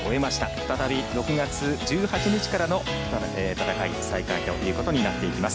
再び６月１８日からの再開となっていきます。